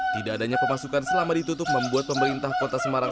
tidak adanya pemasukan selama ditutup membuat pemerintah kota semarang